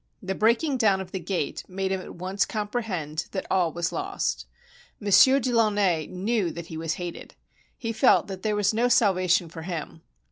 The breaking down of the gate made him at once comprehend that all was lost. Monsieur de Launay knew that he was hated. He felt that there was no salvation for him.